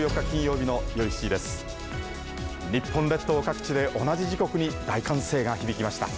日本列島各地で同じ時刻に大歓声が響きました。